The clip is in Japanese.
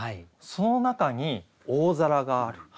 その中に大皿がある。